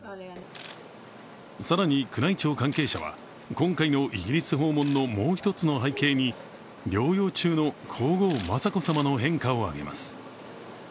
更に、宮内庁関係者は今回のイギリス訪問のもう一つの背景に、療養中の皇后・雅子さまの変化を挙げます。